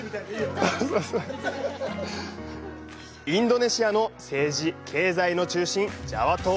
インドネシアの政治、経済の中心、ジャワ島。